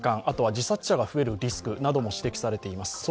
あとは自殺者が増えるリスクなども指摘されています。